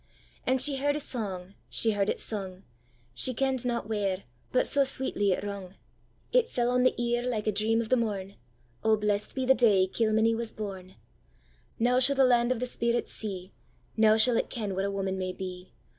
And she heard a song, she heard it sung, She kenn'd not where; but sae sweetly it rung, It fell on the ear like a dream of the morn:'O, blest be the day Kilmeny was born! Now shall the land of the spirits see, Now shall it ken what a woman may be!